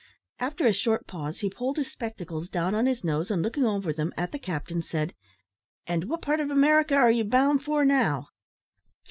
After a short pause, he pulled his spectacles down on his nose, and looking over them at the captain, said, "And what part of America are you bound for now?"